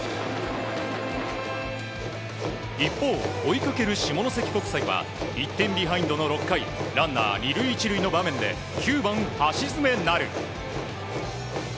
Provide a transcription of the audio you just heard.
一方、追いかける下関国際は１点ビハインドの６回ランナー２塁１塁の場面で９番、橋爪成。